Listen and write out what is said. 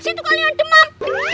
siapa yang demam